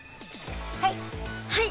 はい。